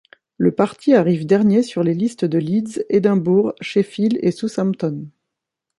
Le parti arrive dernier sur les listes de Leeds, Édimbourg, Sheffield et Southampton.